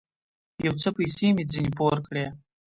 يو څه پيسې مې ځنې پور کړې.